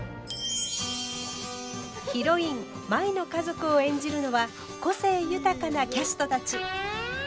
ヒロイン舞の家族を演じるのは個性豊かなキャストたち。